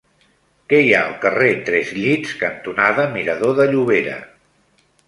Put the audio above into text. Què hi ha al carrer Tres Llits cantonada Mirador de Llobera?